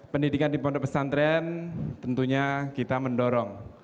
pendidikan di pondok pesantren tentunya kita mendorong